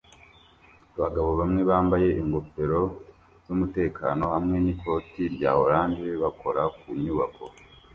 Abagabo bamwe bambaye ingofero z'umutekano hamwe n'ikoti rya orange bakora ku nyubako